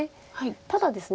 ただですね